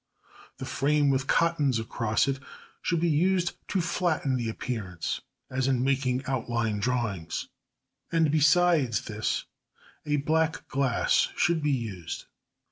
The frame with cottons across it should be used to flatten the appearance, as in making outline drawings. And besides this a black glass should be used.